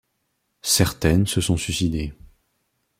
Certaines se sont suicidées.